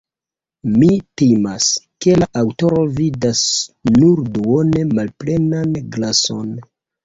Mi timas, ke la aŭtoro vidas nur duone malplenan glason.